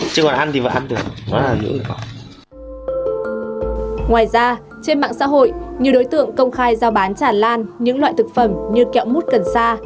ngoài ra trên mạng xã hội nhiều đối tượng công khai giao bán tràn lan những loại thực phẩm như kẹo mút cần sa